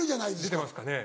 出てますかね。